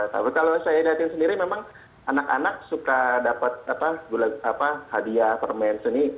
tapi kalau saya lihatin sendiri memang anak anak suka dapat hadiah permen seni